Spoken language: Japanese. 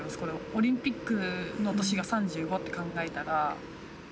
オリンピックの年が３５って考えたら。